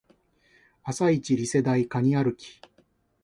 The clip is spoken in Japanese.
朝イチリセ台カニ歩き